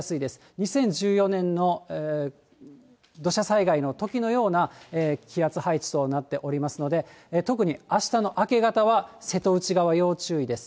２０１４年の土砂災害のときのような気圧配置となっておりますので、特にあしたの明け方は瀬戸内側要注意です。